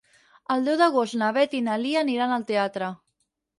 El deu d'agost na Beth i na Lia aniran al teatre.